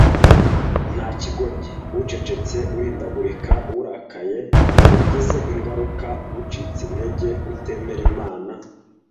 Ntakigoryi, ucecetse, uhindagurika, urakaye, wagize ingaruka, ucitse intege , utemera Imana ,